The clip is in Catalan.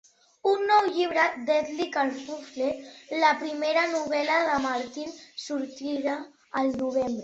Un nou llibre, "Deadly Kerfuffle", la primera novel·la de Martin, sortirà al novembre.